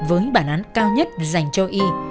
với bản án cao nhất dành cho y